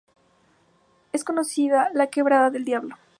Es conocida la Quebrada del Diablo.